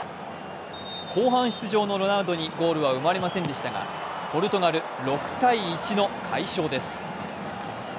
後半出場のロナウドにゴールは生まれませんでしたがポルトガル６−１の快勝です。